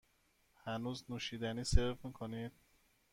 هنوز نوشیدنی سرو می کنید؟